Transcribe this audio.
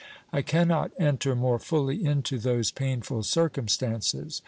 I cannot enter more fully into those painful circumstances.